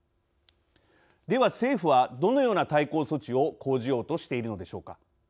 では政府はどのような対抗措置を講じようとしているのでしょうか。